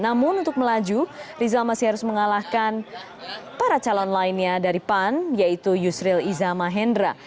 namun untuk melaju rizal masih harus mengalahkan para calon lainnya dari pan yaitu yusril iza mahendra